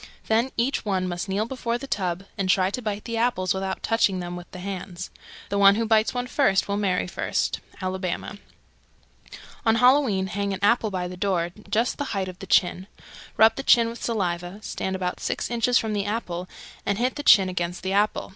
Then each one must kneel before the tub and try to bite the apples without touching them with the hands. The one who bites one first will marry first. Alabama. 304. On Halloween hang an apple by the door just the height of the chin. Rub the chin with saliva, stand about six inches from the apple, and hit the chin against the apple.